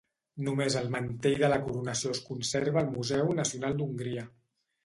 Només el mantell de la coronació es conserva al Museu Nacional d'Hongria.